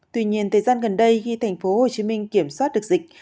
tuy nhiên thời gian gần đây khi tp hcm kiểm soát được dịch